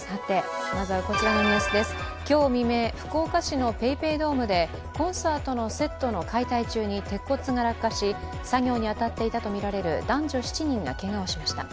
今日未明、福岡市のＰａｙＰａｙドームでコンサートのセットの解体中に鉄骨が落下し作業に当たっていたとみられる男女７人がけがをしました。